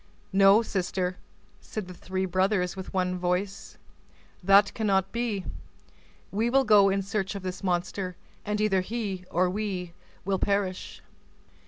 "No, sister," said the three brothers with one voice, "that cannot be; we will go in search of this monster, and either he or we will perish."